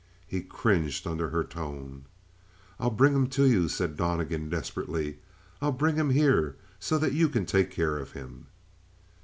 He cringed under her tone. "I'll bring him to you," said Donnegan desperately. "I'll bring him here so that you can take care of him."